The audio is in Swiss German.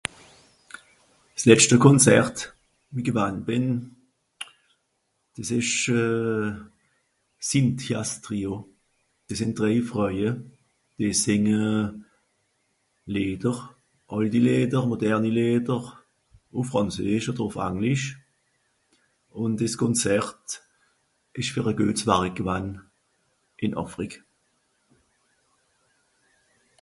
S'letschte Konzert, wie i gewann bìn, dìs ìsch euh... Cynthias Trio, dìs sìnn drèi Froeie. Die Sìnge Lìeder, àlti Lìeder, moderni Lìeder, ùf Frànzeesch odder ùf Anglisch. Ùn dìs Konzert ìsch fer e guets Warik gewann, ìn Àfrique.